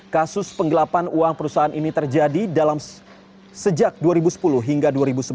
kasus penggelapan uang perusahaan ini terjadi dalam sejak dua ribu sepuluh hingga dua ribu sebelas